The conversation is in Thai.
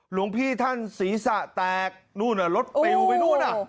หลวงพี่ท่านศีรษะแตกรถติวไปนู่นน่ะ